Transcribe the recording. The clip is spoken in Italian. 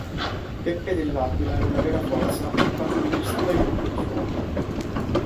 Peppe Dell'Aquila era una "vera forza" in quanto ne gestiva il gruppo di fuoco.